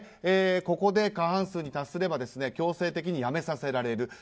ここで過半数に達すれば強制的に辞めさせられる。